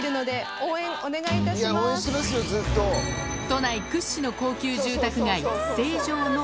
都内屈指の高級住宅街